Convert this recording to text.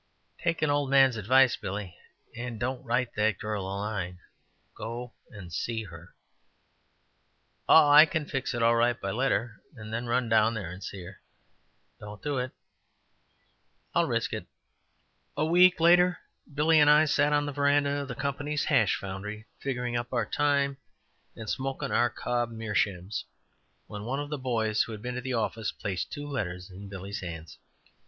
"Take an old man's advice, Billy, and don't write that girl a line go and see her." "Oh, I can fix it all right by letter, and then run down there and see her." "Don't do it." "I'll risk it." A week later Billy and I sat on the veranda of the company's hash foundry, figuring up our time and smoking our cob meerschaums, when one of the boys who had been to the office, placed two letters in Billy's hands.